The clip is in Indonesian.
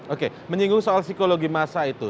oke menyinggung soal psikologi masa itu